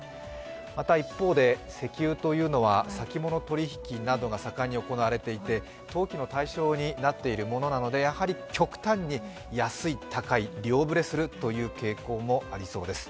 また、一方で石油というのは先物取引というのも行われていて投機の対象になっているものなのでやはり極端に安い、高い、両ぶれするという傾向もありそうです。